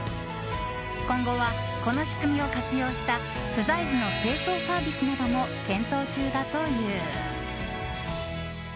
今後は、この仕組みを活用した不在時の清掃サービスなども検討中だという。